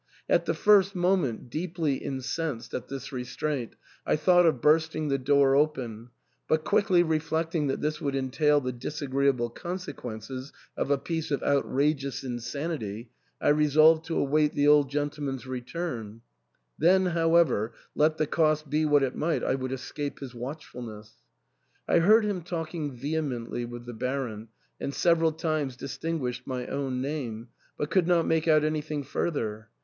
At the first moment, deeply incensed at this restraint, I thought of bursting the door open ; but quickly reflecting that this would entail the disagreeable consequences of a piece of outrageous insanity, I resolved to await the old gentleman's return ; then however, let the cost be what it might, I would escape his watchfulness. I heard him talking vehemently with the Baron, and several times distinguished my own name, but could not make out anything further.